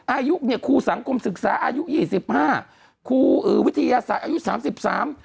อายุเนี่ยครูสังคมศึกษาอายุยี่สิบห้าครูเอ่อวิทยาศาสตร์อายุสามสิบสาม